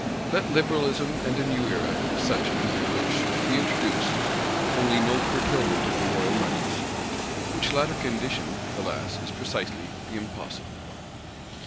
Let Liberalism and a New Era, if such is the wish, be introduced; only no curtailment of the royal moneys? Which latter condition, alas, is precisely the impossible one.